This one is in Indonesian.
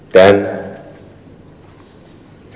dan saat itu selama praktis